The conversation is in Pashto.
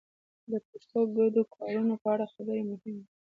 د پښتو د ګډو کارونو په اړه خبرې مهمې دي.